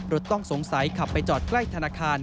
รถต้องสงสัยขับไปจอดใกล้ธนาคาร